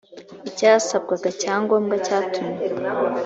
icyasabwaga cya ngombwa cyatumye